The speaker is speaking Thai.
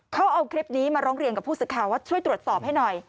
เขาเอาคลิปนี้มาร้องเรียนกับผู้สื่อข่าวว่าช่วยตรวจสอบให้หน่อย